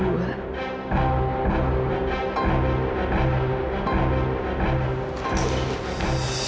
tante tolong jangan panggil aku